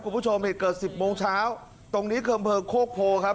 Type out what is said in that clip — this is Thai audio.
คุณผู้ชมเหตุเกิดสิบโมงเช้าตรงนี้คืออำเภอโคกโพครับ